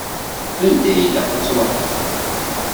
Anda i ilaq ad truḥeḍ?